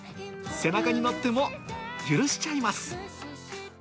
背中に乗っても許しちゃいます。